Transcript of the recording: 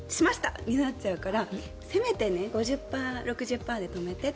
になっちゃうからせめて５０％、６０％で止めてって。